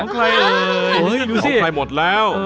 มันออกหมดแล้ว